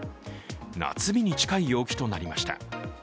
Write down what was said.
夏日に近い陽気となりました。